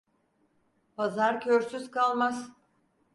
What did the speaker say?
Pazar körsüz kalmaz.